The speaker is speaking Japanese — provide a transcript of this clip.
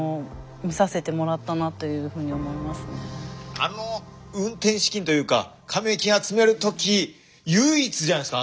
あの運転資金というか加盟金集める時唯一じゃないですか？